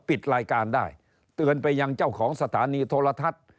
ปิดรายการได้เตือนไปยังเจ้าของสถานีโทรทัศน์